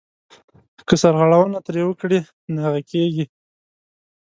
که سرغړونه ترې وکړې ناغه کېږې .